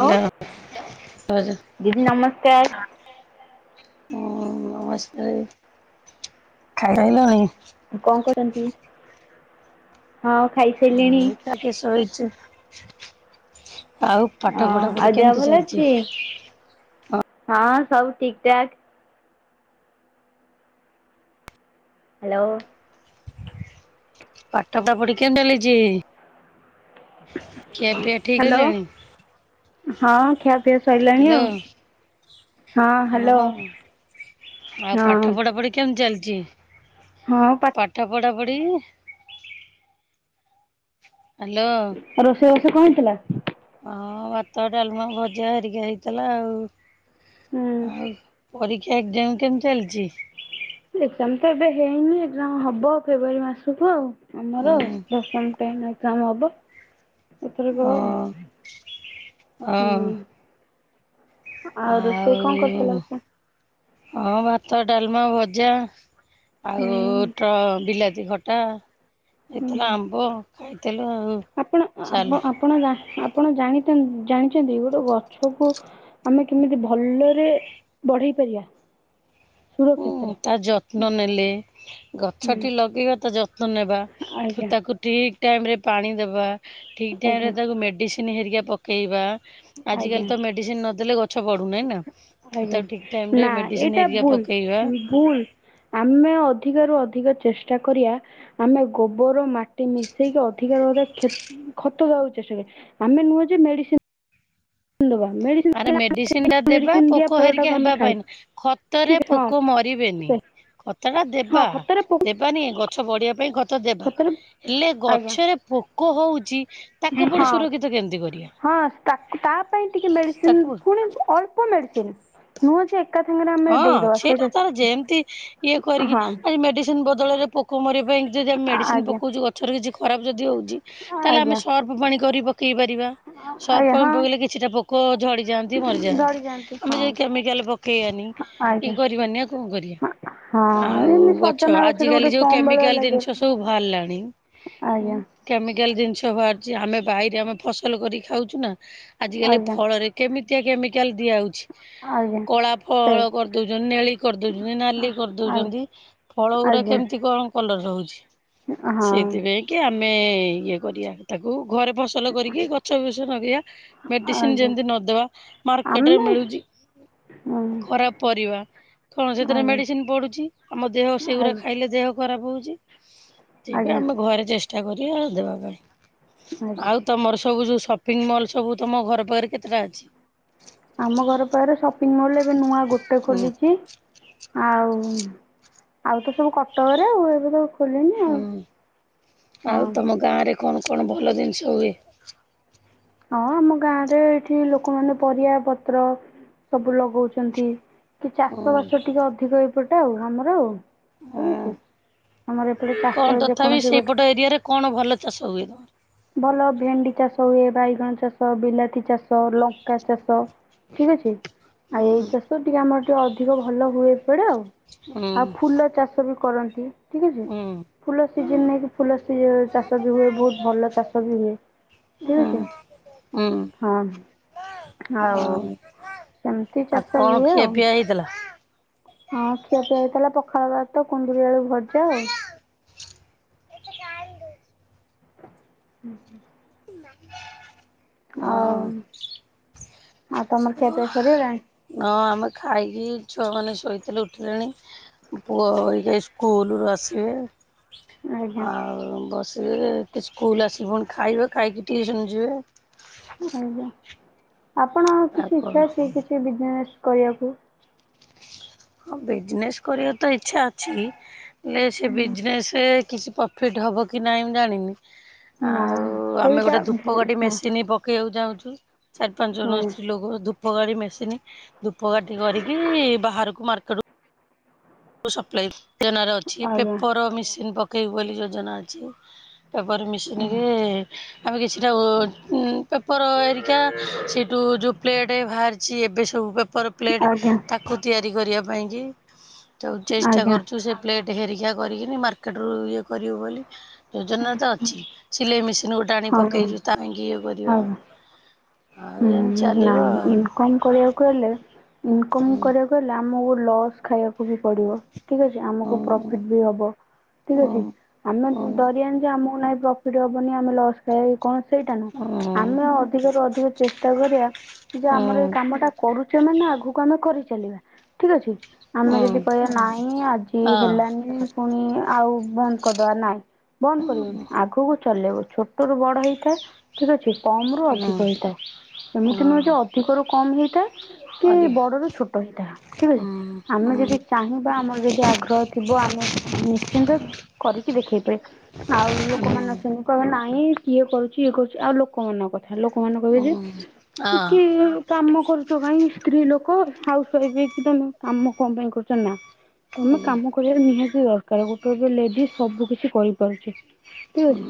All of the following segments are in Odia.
ଲୋ ଦିଦି ନମସ୍କାର। ହୁଁ ନମସ୍କାର ଖାଇ ସାଇଲଣି ଙ୍କ କରନ୍ତି? ମୁଁ ଏଇତା କି ଶୋଇଚି। ଆଉ ଅ ପାଠ ପଢା ଆଉ ପଢି ଦେହ କେମତି ଭଲ ଚାଲିଚି? ଅଛି? ହଁ ସବୁ ଠିକ ଠାକ। ହାଲୋ। ପାଠ ତ ପଢି କେନ୍ତ ଚାଲିଚି ସିଏ ଏବେ ଠିକ ହ୍ୟାଲୋ ହେଲେଣି ହଁ ଖିଆପିଆ ସଇଲାଣି ଆଉ। ହଁ ହାଲୋ ହଁ ହଁ। ଖେମ୍ ଚାଲଚି ହଁ। ପାଠ ପଢ଼ାପଢ଼ି ହ୍ୟାଲୋ ରୋଷେଇ ରଷେଇ ଙ୍କ ହେଇଥିଲା? ହଁ ଭାତ ଡାଲମା ଭଜା ହେରିକା ହେଇଥିଲା ଆଉ ହୁଁ ଆଉ ପରୀକ୍ଷା ଏକ୍ଜାମ କେମତି ଚାଲଚି? ଏକ୍ଜାମ ତ ଏବେ ହେଇନି ଏକ୍ଜାମ ହବ ଫେବୃୟାରୀ ମାସକୁ ଆଉ। ହୁଁ ଆମର ଦଶମ ଟାଇମରେ ଏକ୍ଜାମ ହବ। ଏଥରକ ଅ ଆଉ। ଅ ହୁଁ ଆଉ ରୋଷେଇ ଙ୍କ କରୁଥିଲେ? ଅ ଭାତ ଡାଲମା ଭଜା ଆଉ ହୁଁ ଅ ବିଲାତି ଖଟା। ଏଇଥେଲ ହୁଁ। ଆମ୍ବ ଖାଇଥିଲୁ ଆଉ ଚାଲ୍ କଣ ହେଲା ଆପଣ ଜାଣି ଜାଣିଚନ୍ତି ଗୋଟେ ଗଛକୁ ପା ଆମେ କେମିତି ଭଲରେ ବଢେଇ ପାରିବା ଉଁ ସୁରକ୍ଷେତରେ ତା ଯତ୍ନ ନେଲେ ଗଛଟି ଲଗେଇବା ତା ଯତ୍ନ ନେବା ତ ଆଜ୍ଞା ତାକୁ ଠିକ ଟାଇମରେ ପାଣି ଦେବା ଠିକ୍ ଆଜ୍ଞା ଟାଇମରେ ତାକୁ ମେଡ଼ିସିନ୍ ହେରିକା ପ କେଇବା ଆଜ୍ଞା ଆଜିକାଲି ତ ମେଡ଼ିସିନ ନଦେଲେ ଗଛ ବଢ଼ୁନାହିଁ ନା। ଆଜ୍ଞା ତାକୁ ଠିକ୍ ଟାଇମରେ ନା ମେଡ଼ିସିନ ଏଇଟା ହେରିକା ପକେଇବା ଭୁଲ ଭୁଲ। ଆମେ ଅଧିକ ରୁ ଅଧିକ ଚେଷ୍ଟା କରିଆ ଆମେ ଗୋବର ମାଟି ମିଶେଇକି ଅଧିକା ଭାବରେ କ୍ଷେ ଖତ ଦବାକୁ ଚେଷ୍ଟା କରିବା ଆମେ ନୁହଁ ଯେ ମେଡିସିନ ଦବା ମେଡିସି ଆରେ ମେଡିସିନ ଟା ଦେବା ପୋକ ହେରିକି ଆମେ ହେବା ପାଇଁ ଖାଇବା ନୁହେଁ ଖତରେ ଠିକ ହଁ ପୋକ ମରିବେନି। ସେ ଖତ ଟା ହଁ ଦେବା ଖତରେ ଦେବାନି କାହିଁକି ଗଛ ବଢିବା ପାଇଁ ଖ ତ ଦେବା ଖତରେ ହେଲେ ଆଜ୍ଞା ଗଛରେ ପୋକ ହଉଚି ତାକୁ ପୁଣି ହଁ ସୁରକ୍ଷିତ କେମିତି କରିବା ହଁ ତାକୁ ତା ପାଇଁ ଟିକେ ମେଡିସିନ ତାକୁ ଫୁଣି ଅଳ୍ପ ମେଡିସିନ ନୁହଁ ଯେ ଏକା ସାଙ୍ଗରେ ହଁ ଆମେ ଦେଇଦବା ଅଛି ହେଟା ସେଇଟା ତାର ଯେମତି ଇଏ କରିକି ହଁ ଆଜି ମେଡିସି ସିନ ବଦଳରେ ପୋକ ମରିବା ପାଇଁ ଯଦି ଆମେ ମେଡ଼ିସିନ ଆଜ୍ଞା ପକାଉଚୁ ଗଛରେ କିଛି ଖରାପ ଯଦି ହଉଚି ତାହେଲେ ଆଜ୍ଞା ଆମେ ସର୍ପ ପାଣି କରି ପକେଇ ପାରିବା। ସର୍ପ ଆଜ୍ଞା ପାଣି ହଁ ପକେଇଲେ କିଛିଟା ପୋକ ଝଡିଯାଆନ୍ତି ମରିଯାଆନ୍ତି। ଝଡି ଯାଆନ୍ତି ଆମେ ହଁ ଯଦି କେମିକାଲ ପକେଇବାନି ଇ ଆଜ୍ଞା। କରିବାନି ଆଉ ଙ୍କ କରିବା ହଁ ଆଉ ଏମିତି ଗଛ ସଜନା ଗଛରେ ଗୋଟେ ଆଜିକାଲି ଯୋଉ ସମ୍ବଳ କେମିକାଲ ଲାଗେ ଦିନଷ ସ [unintelligible] ଆଜ୍ଞା। କେମିକାଲ ଜିନିଷ ବାହାରୁଚି ଆମେ ବାଇରେ ଆମେ ଫସଲ କରିକି ଖାଉଚୁନା ଆଜିକାଲି ଆଜ୍ଞା ଫଳରେ କେମିତିଆ କେମିକାଲ ଦିଆହଉଛି ଆଜ୍ଞା କଳା ସେଇ ଫଳ କରିଦଉଚନ୍ତି ନେଳି କରିଦଉଚନ୍ତି ଆ ନାଲି କରିଦଉଚନ୍ତି ଫଳ ଗୁରା ଆଜ୍ଞା କେମିତି କଣ କଲର ରହୁଛି ହଁ ସେଇଥିପାଇ କି ଆମେ ଇଏ କରିବା ତାକୁ ଘରେ ଫସ ଫସଲ କରିକି ଗଛ ବିଛ ନଗେଇବା ମେଡ଼ିସିନ୍ ଆଜ୍ଞା ଯେମିତି ନଦବା ମାର୍କେଟ ରେ ମିଳୁଚି। ହଁ। ପରିବା କଣ ସେଇତିରେ ମେଡ଼ିସିନ୍ ପଡ଼ୁଚି ଆମଦେହ ଆଜ୍ଞା। ସେଉରା ଖାଇଲେ ଦେହ ଖରାପ୍ ହଉଚି ଜିବା ଆଜ୍ଞା ଆମେ ଘରେ ଚେଷ୍ଟା କରିବା ଆଉ ଦେବା ପାଇଁ ଆଜ୍ଞା ଆଉ ତମର ସବୁ ଯୋଉ ସପିଙ୍ଗିମଲ୍ ସବୁ ତମ ଘର ପାଖରେ କେତେଟା ଅଛି? ଆମ ଘର ପାଖରେ ସପିଙ୍ଗିମଲ୍ ଏବେ ନୂଆ ଗୋଟେ ହୁଁ ଖୋଲିଚି। ଆଉ ଆଉ ତ ସବୁ କଟକରେ ଆଉ ଏବେ ତ ଖୋଲେନି ଆଉ ହଁ। ଗାଁରେ କଣ କଣ ଭଲ ଜିନିଷ ହୁଏ? ହଁ ଆମ ଗାଁରେ ଏଠି ଲୋକମାନେ ପରିବା ପତ୍ର ସବୁ ଲଗଉଚନ୍ତି। କି ଚାଷ ହଁ ବାସ ଟିକେ ଅଧିକ ଏଇପଟେ ଆଉ ଆମର ଆଉ। ଠିକ୍ ହଁ ଅଛି ଆମର ଏପଟେ କଣ ଚାଷ ତଥାପି ଯେକୌଣସି ସେଇପଟ ଗୋଟେ ଏରିଆରେ କଣ ଭଲ ଚାଷ ହୁଏ ତମର? ଭଲ ଭେଣ୍ଡି, ଚାଷ ହୁଏ ବାଇଗଣ, ଚାଷ ବିଲାତି, ଚାଷ ଲଙ୍କା, ଚାଷ। ଠିକ୍ ଅଛି ହୁଁ ଆଉ ଏଇ ଚାଷ ଟିକେ ଆମର ଟିକେ ଅଧିକ ଭଲ ହୁଏ ଏପଡ଼େ ଆଉ। ହୁଁ ଆଉ ଫୁଲ ଚାଷ ବି କରନ୍ତି। ଠିକ୍ ଅଛି ହୁଁ ଫୁଲ ସିଜନ୍ ନେଇକି ଫୁଲ ସିଏ ଚାଷ ବି ହୁଏ ବହୁତ ଭଲ ଚାଷ ବି ହୁଏ ଠିକ୍ ଅଛି ହୁଁ। ହଁ। ହଉ ଆଉ ସେମିତି ଆଉ ଚାଷ କଣ ହୁଏ ଖିଆ ଆଉ। ପିଆ ହେଇଥିଲା? ହଁ ଖିଆ ପିଆ ହେଇଥିଲା ପଖାଳ ଭାତ କୁନ୍ଦୁରି ଆଳୁ ଭଜା ଆଉ। [unintelligible] ହୁଁ ହୁଁ। ଥିଲା ଆଉ ଆଉ ତମର ଖିଆ ପିଆ ସରିଗଲାଣି? ହଁ ଆମେ ଖାଇକି ଛୁଆ ମାନେ ଶୋଇଥିଲେ ଉଠିଲେଣି ପୁଅ ସ୍କୁଲରୁ ଆସିବେ ଆଜ୍ଞା ଆଉ ବସିବେ ସିଏ ସ୍କୁଲ୍ ଆସିବେ ପୁଣି ଖାଇବେ ଖାଇକି ଟିୟୁସନ୍ ଯିବେ। ଆଜ୍ଞା ଆପଣ ଆଉ କିଛି କଣ ଇଚ୍ଛା ଅଛି କିଛି ବିଜନେସ୍ କରିବାକୁ? ହଁ ବିଜନେସ୍ କରିବା ତ ଇଚ୍ଛା ଅଛି। ହେଲେ ସେ ବିଜନେସ୍ କିଛି ପ୍ରଫିଟ୍ ହବ କି ନାହିଁ ମୁଁ ଜାଣିନି। ନା ଆଉ ଆମେ ସେଇଟା ଗୋଟେ ଧୂପ ଭୁଲ କାଟି ହଁ ମେସିନ୍ ପ ପକେଇବାକୁ ଯାଉଛୁ ଚାରି ପାଞ୍ଚ ଜଣ ହଁ ସ୍ତ୍ରୀ ଲୋକ ଧୂପ କାଠି ମେସିନ୍ ଧୂପ କାଟି କରିକି ତାକୁ ମାର୍କେଟେକୁ ସପ୍ଲାଏ ଯୋଜନାରେ ଅଛି ଆଜ୍ଞା ପେପର୍ ମେସିନ୍ ପକେଇବୁ ବୋଲି ଯୋଜନା ଅଛି। ପେପେର୍ ମେସିନିରେ ଆମେ କିଛିଟା ଓ ଉ ପେପର ଏରିକା ସେଠୁ ଯୋଉ ପ୍ଲେଟ୍ ବାହାରି ଅଛି ଏବେ ସବୁ ପେପର୍ ପ୍ଲେଟ୍ ଆଜ୍ଞା ଆଜ୍ଞା। ତାକୁ ତିଆରି କରିବା ପାଇଁକି ତାକୁ ଚେଷ୍ଟା କରୁଚୁ ସେ ପ୍ଲେଟ୍ ହେରିକା କରିକିନି ମାର୍କେଟରୁ ଇଏ କରିବୁ ବୋଲି ଯୋଜନା ତ ଆଜ୍ଞା। ଅଛି ସିଲେଇ ମେସିନ୍ ଗୋଟେ ଆଣି ହଁ ହଁ ପକେଇଚୁ ତା ପାଇଁଁକି ଇଏ କରିବା। ହଉ ଆଉ ଏମିତି ହୁଁ ଚାଲିବ ନାଇଁ ଆଉ ଇନ୍ କମ୍ କରିବାକୁ ହେଲେ ଇନକମ୍ ହୁଁ କରିବାକୁ ହେଲେ ଆମକୁ ଲସ୍ ଖାଇବାକୁବି ପଡ଼ିବ। ଠିକ୍ ଅଛି ଆମକୁ ହୁଁ ପ୍ରଫିଟ୍ ବି ହବ ଠିକ୍ ହୁଁ ଅଛି ଆମେ ହୁଁ ଡରିବାନିଯେ ଆମକୁ ନାଇଁ ପ୍ରଫିଟ୍ ହବନି ଆମେ ଲସ୍ ଖାଇ କଣ ସେଇଟା ନାହିଁ ହୁଁ ହୁଁ ଆମେ ଅଧିକରୁ ଅଧିକ ଚେଷ୍ଟା କରିବା ଯେ ଆମର ଏଇ ହୁଁ କାମଟା କରୁଚେ ମାନେ ଆଗକୁ ଆମେ କରିଚାଲିବା ଠିକ୍ ଅଛି। ହଁ ଆମେ ଯଦି କହିବା ନାହିଁ ଆଜି ହେଲାନି ପୁଣି ଆଉ ବନ୍ଦ କରିଦବା ନାଇଁ ବନ୍ଦ କରିବେନି ଆଗକୁ ଚଲେଇବୁ ଛୋଟରୁ ବଡ ହେଇଥାଏ। ଠିକ ଅଛି କମ ରୁ ହୁଁ ଅଧିକ ହେଇଥାଏ ଏମିତି ନୁହେଁ ଯେ ହଁ ଅଧିକ ରୁ କମ ହେଇଥାଏ। କି ଆଜ୍ଞା ବଡ ରୁ ଛୋଟ ହେଇଥାଏ ଠିକ ଅଛି ହୁଁ ଆମେ ହୁଁ ଯଦି ଚାହିଁବା ଆମର ଯଦି ଆଗ୍ରହ ଥିବ ଆମେ ନିଶ୍ଚିନ୍ତ କରିକି ଦେଖେଇ ପାରିବ। ଆଉ ହୁଁ ଲୋକମାନେ ଅଛନ୍ତି କହିବେ ନାଇଁ କିଏ କରୁଛି ଇଏ କରୁଛି ଆଉ ଲୋକମାନଙ୍କ କଥା ଥା ଲୋକମାନେ ହୁଁ କହିବେ ହଁ ଯେ ଆଜ୍ଞା କିଏ କାମ କରୁଛ କାହିଁ ସ୍ତ୍ରୀ ଲୋକ ହାଉସୱାଇଫ ହେଇକି ତମେ କାମ କଣ ପାଇଁ କରୁଛ ନା? ତମେ କାମ କରିବା ନିହାତି ଦରକାର ଗୋଟେ ଏ ଲେଡି ସବୁ କିଛି କରିପାରୁଛି। ଠିକ୍ ଅଛି।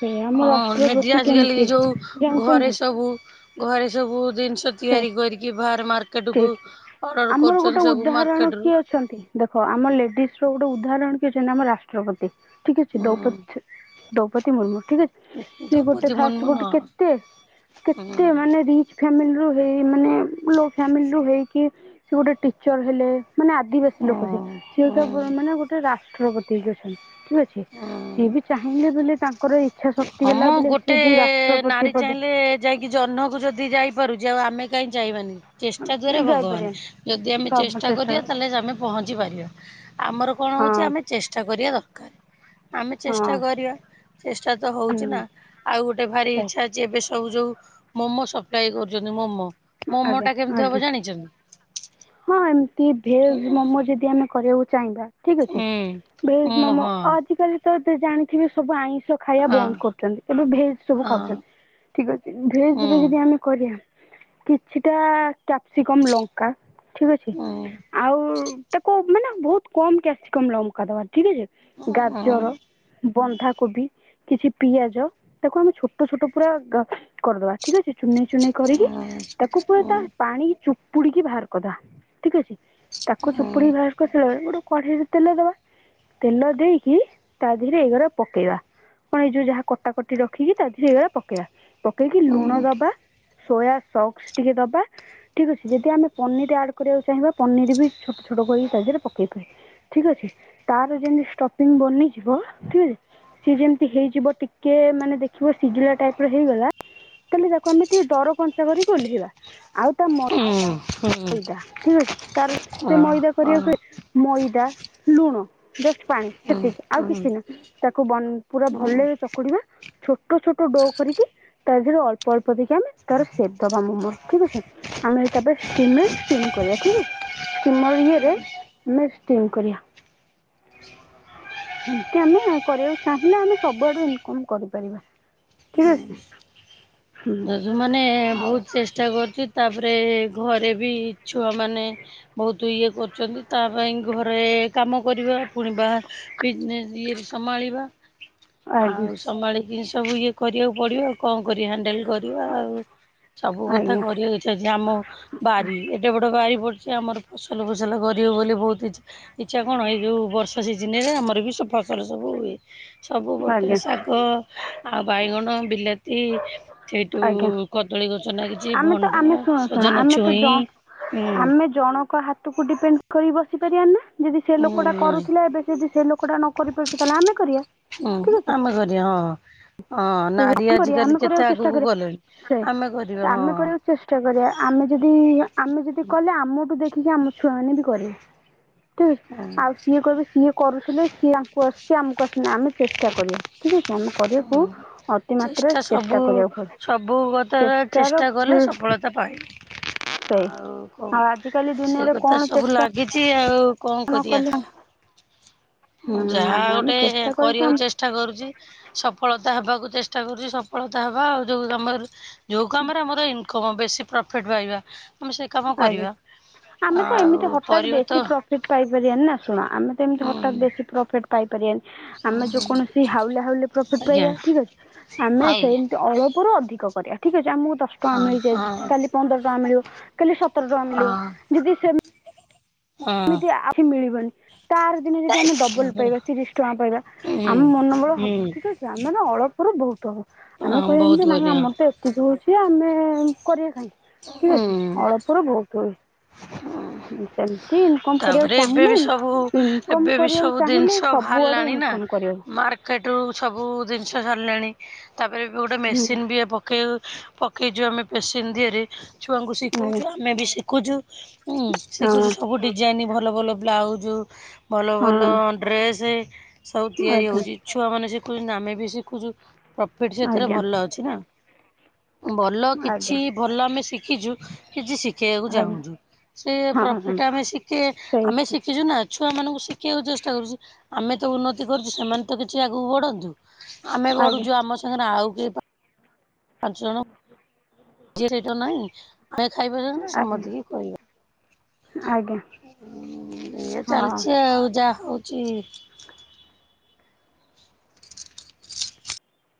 ସେଇଆ ଆମ ହଁ ରାଷ୍ଟ୍ର ମେଡି ପ୍ରତି ଆଜିକାଲି କେମିତି ଯୋଉ ଘରେ ଜାଣିଛନ୍ତି ସବୁ ଘରେ ସବୁ ଜିନିଷ ସେ ତିଆରି କରିକି ବାହାର ମାର କେଟ୍ କୁ ଠିକ ଅର୍ଡର କରୁଛନ୍ତି ସବୁ ମାର୍କେଟ ରୁ ଛନ୍ତି ଦେଖ ଆମ ଲେଡିଜର ଗୋଟେ ଉଦାହରଣ କିଏ ଅଛନ୍ତି ଆମ ରାଷ୍ଟ୍ରପତି। ଠିକ ଅଛି ଦୌପଦ ଦ୍ରୌପଦୀ ମୁର୍ମୁ ଠିକ ଅଛି ହୁଁ ସିଏ ଗୋଟେ ଦୌପତି ମୁର୍ମୁ ଫାଷ୍ଟ ଗୋଟେ ନୁହଁ କେତେ ହୁଁ କେତେ ମାନେ ରିଚ୍ ଫାମିଲିରୁ ହେଇ ମାନେ ଲୋ ଫାମିଲିର ହେଇକି ସେ ଗୋଟେ ଟିଚର ହେଲେ ମାନେ ଆଦିବାସୀ ହୁଁ ଲୋକ ସେ ସିଏ କେ ହୁଁ ମାନେ ଗୋଟେ ରାଷ୍ଟ୍ରପତି ହେଇକି ଅଛନ୍ତି। ଠିକ ଅଛି ହୁଁ। ସିଏ ବି ଚାହିଁଲେ ବଲେ ତାଙ୍କୁ ତାଙ୍କର ଇଛା ଶକ୍ତି ହଁ ମ ହେଲା ବୋଲି ଗୋଟେ ସେ ଯେ ନାରୀ ରାଷ୍ଟ୍ରପତି ପଦ ଚାହିଁଲେ ଯାଇକି ଜହ୍ନକୁ ଯଦି ଯାଇପାରୁଛି ଆଉ ଆମେ କାହିଁ ଜାଇବାନି। ଚେଷ୍ଟା ଦ୍ୱାରା ଯାଇପାରିବେନି ଭଗବାନ ଯଦି ଆମେ ଚେଷ୍ଟା କରିବା ତାହେଲେ ଆମେ ପହଞ୍ଚିପାରିବା। ଆମର କଣ ହଁ ହଉଛି ଆମେ ଚେଷ୍ଟା କରିବା ଦରକାର। ଆମେ ହଁ ଚେଷ୍ଟା କରିବା ଚେଷ୍ଟା ତ ହଉଚି ହୁଁ ନା। ଆଉ ଗୋଟେ ଭାରି ସେ ଇଚ୍ଛା ଅଛି ଏବେ ସବୁ ଯୋଉ ମୋମୋ ସପ୍ଲାଏ କରୁଛନ୍ତି ମୋମୋ। ମୋମୋ ଆଜ୍ଞା ଟା କେମିତି ହବ ଆଜ୍ଞା ଜାଣିଛନ୍ତି? ହଁ ଏମତି ହୁଁ ଭେଜ ମୋମୋ ଯଦି ଆମେ କରିବାକୁ ଚାହିଁବା ଠିକ ଅଛି ହଁ ଭେଜ୍ ହଁ ମୋମୋ ହଁ ଆଜିକାଲି ତ ଜାଣିଥିବେ ସବୁ ଆଇଁଷ ଖାଇବା ହୁଁ ବନ୍ଦ କରୁଛନ୍ତି ଏବେ ଭେଜ ସବୁ ଖାଉଛନ୍ତି ଠିକ ଅଛି ଭେଜରେ ଯଦି ଆମେ କରିବା କିଛିଟା କ୍ୟାପ୍ସିକମ୍ ଲଙ୍କା ଠିକ ଅଛି ହୁଁ ଆଉ ତାକୁ ମାନେ ବହୁତ କମ କ୍ୟାପସିକମ ଲଙ୍କା ଦବା ଠିକ ଅଛି ହୁଁ ଗାଜର ବନ୍ଧାକୋବି କିଛି ପିଆଜ ତାକୁ ଆମେ ଛୋଟ ଛୋଟ ପୁରା କରିଦବା। ଠିକ୍ ଅଛି ଚୁନେଇ ଚୁନେଇ ହୁଁ ହୁଁ କରିକି ତାକୁ ପୁରା ତା ପାଣି ଚୁପୁଡିକି ବାହାର କରିଦବା ଠିକ ଅଛି ତାକୁ ହୁଁ ହଁ ଚୁପୁଡିକି ବାହାର ବେ ଗୋଟେ କଢେଇରେ ତେଲ ଦବା ତେଲ ଦେଇକି ତା ଦେହରେ ଏଗରା ପକେଇବା। ଆପଣ ଏଇ ଯୋଉ ଯାହା କଟାକଟି ରଖିକି ତା ଦେହରେ ଏଇଗରା ପକେଇବା ପକେଇକି ଲୁଣ ହଁ ଦବା। ସୋୟା ସକ୍ସ ଟିକେ ଦବା। ଠିକ୍ ଅଛି ଯଦି ଆମେ ପନିର ଆଡ କରିବାକୁ ଚାହିଁବା ପନିର ବି ଛୋଟ ଛୋଟ ତା ଦେହରେ ପକେଇପରିବା। ଠିକ ଅଛି ତାର ଯେମତି ଷ୍ଟପିଙ୍ଗ ବନେଇଯିବ ଠିକ ଅଛି। ସେ ଯେମତି ହେଇଯିବ ଟିକେ ମାନେ ଦେଖିବ ସିଝିଲା ଟାଇପର ହେଇଗଲା ତାହେଲେ ତାକୁ ଆମେ ଟିକେ ଦର କଞ୍ଚା କରି ଓଲେହିବା ଆଉ ତା ମଇଦା ଠିକ ଅଛି ତାର ସେ ମଇଦା କରିବାକୁ ମଇଦା ଲୁଣ ଜଷ୍ଟ ପାଣି ହୁଁ ସେତିକି ଆଉ ହୁଁ କିଛି ନା ତାକୁ ପୁରା ହୁଁ ଭଲରେ ଚକୁଡିବା ଛୋଟ ଛୋଟ ଡୋ କରିକି ତା ଦେହରେ ଅଳ୍ପ ଅଳ୍ପ ଦେଇକି ଆମେ ତାର ସେବ ଦବା ମୋମୋ ଠିକ ଅଛି ଆମେ ତାପ ଷ୍ଟିମ୍ କରିବା ଠିକ ଅଛି ଷ୍ଟିମର ଇଏରେ ଆମେ ଷ୍ଟିମ୍ କରିବା। ସେମତି ଆମେ କରିବାକୁ ଚାହିଁଲେ ଆମେ ସବୁଆଡୁ ଇନକମ୍ କରିପାରିବା ଠିକ ଅଛି। ହୁଁ ମାନେ ବହୁତ ଚେଷ୍ଟା କରୁଛି ତାପରେ ଘରେ ବି ଛୁଆମାନେ ବହୁତ ଇଏ କରୁଛନ୍ତି ତା ପାଇଁ ଘରେ କାମ କରିବା ପୁଣି ବାହା ବିଜନେସ ଇଏ ସମ୍ଭାଳିବା ଆଜ୍ଞା ଆଉ ସମ୍ଭାଳିକିନି ସବୁ ଇଏ କରିବାକୁ ପଡିବ ଆଉ କଣ କରିବ ହାଣ୍ଡେଲ। କରିବା ଆଉ ସବୁ କଥା ଆଜ୍ଞା କରିବା ଇଚ୍ଛା ଅଛି ଆମ ବାରି ଏ ଟେ ବଡ ବାରି ପଡ଼ିଛି ଆମର ଫସଲ ଫସଲ କରିବେ ବୋଲି ବହୁତ ଇଛି ଇଚ୍ଛା କଣ ଏଇ ଯୋଉ ବର୍ଷା ସିଜନ୍ ରେ ଆମର ବି ସେ ଫସଲ ସବୁ ହୁଏ। ସବୁ ଆଜ୍ଞା ପ୍ରକାର ଶାଗ ଆଉ ବାଇଗଣ, ବିଲାତି ସେଇଠୁ ଆଜ୍ଞା କଦଳୀ ଗଛ ନାଗିଚି, ଆମେ ତ ଭଣ୍ଡା, ଆମେ ଶୁଣ ଶୁଣ ସଜନା ଆମେ ତ ଜ ଛୁଇଁ ଉଁ, ଆମେ ଜଣଙ୍କ ହାତକୁ ଡିପେଣ୍ଡ କରି ବସି ପାରିବା ନା। ଯଦି ସେ ଲୋକଟା ହୁଁ କରୁଥିଲା ଏବେ ସେ ଯଦି ସେ ଲୋକଟା ନ କରି ପାରୁଛି ତାହେଲେ ଆମେ କରିବା, ହୁଁ ଠିକ ଅଛି। ଆମେ କରି ହଁ, ହଁ। ସେ [inaudible] ନାରୀ ଆମେ କରିବା, ଆଜିକାଲି ଆମେ କେତେ କରିବାକୁ ଚେଷ୍ଟା ଆଗକୁ କରିବା। ଗଲେଣି ସେ ଆମେ କରିବା ଆମେ ହଁ। କରିବାକୁ ଚେଷ୍ଟା କରିବା, ଆମେ ଯଦି ଆମେ ଯଦି କଲେ, ଆମଠୁ ଦେଖିକି ଆମ ଛୁଆମାନେ ବି କରିବେ। ଠିକ ଅଛି, ହଁ ଆଉ ସିଏ କହିବେ ସିଏ କରୁଥିଲେ, ସିଏ ଆମକୁ ଆସୁଚି, ଆମକୁ ଆସୁନି, ଆମେ ଚେଷ୍ଟା କରିବା। ଠିକ ଅଛି, ଆମ କରିବାକୁ ହଁ ଅତି ମାତ୍ରାରେ ଚେଷ୍ଟା ସବୁ କରିବାକୁ ପଡେ ସବୁ କଥା ରେ ଚେଷ୍ଟା କଲେ ଚେଷ୍ଟାର ସଫଳତା ପାଇବ। ସେଇ ଆଉ ଆଉ କଣ ଆଜିକାଲି ସେଇ ଦୁନିଆରେ କଥା କଣ ସବୁ ଚେଷ୍ଟା ଲାଗ ଗିଛି ଆଉ କଣ ନ କରିବା। କଲେ ଉଁ, ହୁଁ ଯାହା ନାହିଁ ଆମେ ଗୋଟେ ଚେଷ୍ଟା କରିକି କରିବାକୁ ଆମ ଚେଷ୍ ଠା କରୁଚି, ସଫଳତା ହେବାକୁ ଚେଷ୍ଟା କରୁଚି। ସଫଳତା ହେବା। ଆଉ ଯୋଉ କାମର ଯୋଉ କାମରେ ଆମର ଇନକମ୍ ବେଶୀ ପ୍ରଫିଟ୍ ପାଇବା। ଆମେ ସେ କାମ ଆଜ୍ଞା କରିବା। ଆଉ ପରିବା ତ ସେ ପାଇପାରିବାନି ନା। ଶୁଣ ଆମେ ତ ଏମିତି ହଠାତ୍ ଉଁ ବେଶୀ ପ୍ରଫିଟ୍ ପାଇ ପାରିବାନି। ଆମେ ଯେ କୌଣସି ହାଉଲେ ହାଉଲେ ପ୍ରଫିଟ୍ ଆଜ୍ଞା ପାଇବା ଠିକ ଅଛି। ଆମେ ଆଇ ସେଇ ଅଳପରୁ ଅଧିକ କରିବା ଠିକ ଅଛି। ଆମକୁ ଦଶ ଟଙ୍କା ହଁ ମିଳିଚି ଆଜି। ହଁ କାଲି ପନ୍ଦର ଟଙ୍କା ମିଳିବ। କାଲି ସତର ଟଙ୍କା ମିଳିବ। ହଁ ଯଦି ସେମ ହଁ ମିତି ଆ, [inaudible] ମିଳିବନି। ତାର ଦିନେ ଯଦି ଆମେ ଡବଲ୍ ପାଇବା ହୁଁ ତିରିଶ ଟଙ୍କା ପାଇବା। ଆମ ମନୋବଳ ହୁଁ ହବ ଠିକ ଅଛି। ଆମର ଅଳପ ରୁ ବହୁତ ହଉ। ଆମେ ହଁ କହି ବାନି ବହୁତ ଯେ ନାଇଁ ବଢ଼ିଆ ଆମର ତ ଏ ତିକି ହଉଛି ଆମେ କରିବା କାହିଁକି। ଠିକ୍ ଅଛି, ଅଳପରୁ ବହୁତ ହୁଏ। ହଁ। ଉଁ, ସେମତି ଇନକମ୍ କରିବାକୁ ଚାହିଁଲେ ସବୁ ଇନକ ଇନକମ୍ ଏବେ ବି ସବୁ କରିବାକୁ ଚାହିଁଲେ ସବୁଆଡୁ ଇନକମ୍ କରିହବ। କେଠୁ ସବୁ ଜିନିଷ ସରିଲାଣି। ତାପରେ ବି ଗୋଟେ ହୁଁ ମେସିନ୍ ବି ଏ ପ କେଉ, ପକେଇଚୁ ଆମେ ପେସିନ୍ ଦିହରେ ଛୁଆଙ୍କୁ ଶିଖଉଛୁ, ଆମେ ବି ଶିଖୁଛୁ। ଉଁ, ଶିଖୁଛୁ ଆଜ୍ଞା ସବୁ ଡିଜାଇନ୍ ଭଲ ଭଲ ବ୍ଲାଉଜୁ। ଭଲ ହଁ ହଁ ଭଲ ଡ୍ରେସେ ସବୁ ତିଆରି ହଉଚି। ଛୁଆମାନେ ଶିଖୁଚନ୍ତି, ଆମେ ବି ଶିଖୁଚୁ। ପ୍ରଫିଟ୍ ସେଥିରେ ଆଜ୍ଞା ଆଜ୍ଞା ଭଲ ଅଛି ନା? ଭଲ ଆଜ୍ଞା କିଛି ଭଲ ଆମେ ଶିଖିଛୁ, କିଛି ଶିଖେଇବାକୁ ଆଜ୍ଞା ଚାହୁଁଚୁ। ସେ ହଁ ହଁ ପ୍ରଫିଟ୍ ଆମେ ଶିକେ, ସେଇ ଆମେ ଶିଖିଚୁ ନା। ଛୁଆମାନଙ୍କୁ ଶିଖେଇବାକୁ ଚେଷ୍ଟା କରୁଚି। ଆମେ ତ ଉନ୍ନତି କରୁଚୁ, ସେମାନେ ତ କିଛି ଆଗକୁ ବଢନ୍ତୁ। ଆମେ ଆଜ୍ଞା ବଢୁଚୁ, ଆମ ସାଙ୍ଗରେ ଆଉ କିଏ ପା-ପାଞ୍ଚ ଜଣ ଯିଏ ସେଇଠାରେ ନାଇଁ ଆମେ ଖାଇପାରିବାନି, ଆଜ୍ଞା ସମତିକି ଖୋଇବା। ଆଜ୍ଞା ଉଁ, ଏ ହଁ ଚାଲିଛି ଆଉ ଯାହା ହଉଚି